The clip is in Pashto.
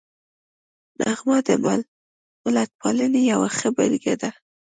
نغمه د ملتپالنې یوه ښه بېلګه ده